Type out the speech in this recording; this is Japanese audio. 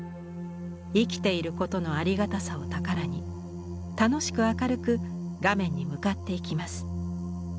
「生きていることのありがたさを宝に楽しく明るく画面に向かっていきます」。